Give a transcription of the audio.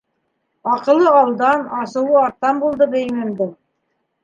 — Аҡылы — алдан, асыуы арттан булды бейемемдең.